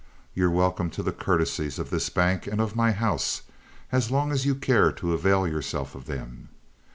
You're welcome to the courtesies of this bank and of my house as long as you care to avail yourself of them.